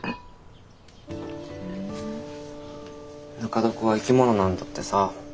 ぬか床は生き物なんだってさ。